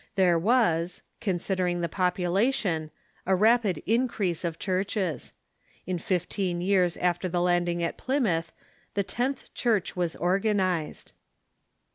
There Avas, considering the population, a rapid increase of churches. In fifteen years after the landing at Plymouth the tenth church was organized.